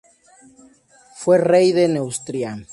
Fue rey de Neustria.